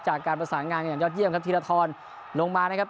จากการประสานงานกันอย่างยอดเยี่ยมครับธีรทรลงมานะครับ